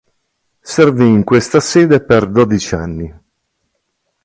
Servì in questa sede per dodici anni.